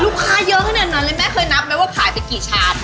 ลูกค้าเยอะขนาดนั้นเลยแม่เคยนับแล้วว่าขายไปกี่ชาติ